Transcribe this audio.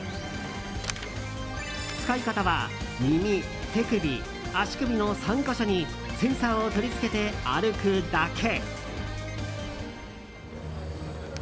使い方は、耳、手首、足首の３か所にセンサーを取り付けて歩くだけ。